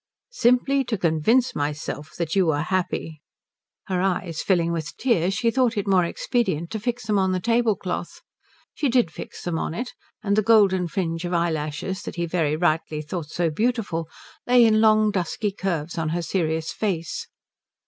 "Simply to convince myself that you are happy." Her eyes filling with tears she thought it more expedient to fix them on the table cloth. She did fix them on it, and the golden fringe of eyelashes that he very rightly thought so beautiful lay in long dusky curves on her serious face.